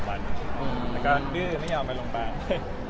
แล้วก็ดื้อไม่ยอมไปโรงพยาบาล